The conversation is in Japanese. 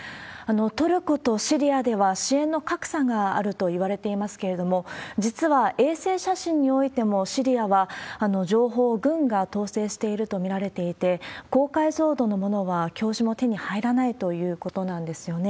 トルコとシリアでは支援の格差があるといわれていますけれども、実は衛星写真においても、シリアは情報を軍が統制していると見られていて、高解像度のものは教授も手に入らないということなんですよね。